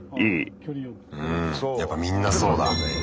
うんやっぱみんなそうだ。